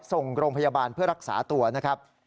ส่งโรงพยาบาลเพื่อรักษาตัวนะครับ